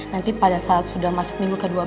nanti pada saat sudah masuk minggu ke dua belas